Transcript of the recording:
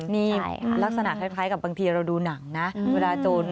นี่ลักษณะคล้ายกับบางทีเราดูหนังนะ